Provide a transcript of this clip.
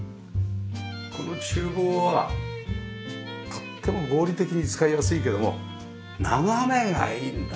この厨房はとっても合理的で使いやすいけども眺めがいいんだ。